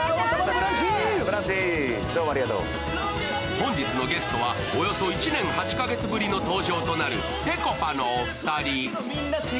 本日のゲストはおよそ１年８カ月ぶりの登場となるぺこぱのお二人。